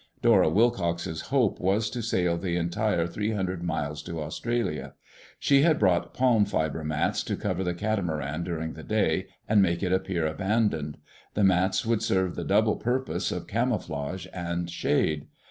Dora Wilcox's hope was to sail the entire three hundred miles to Australia. She had brought palm fiber mats to cover the catamaran during the day and make it appear abandoned. The mats would serve the double purpose of camouflage and shade.